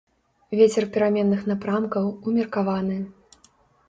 Вецер пераменных напрамкаў, умеркаваны.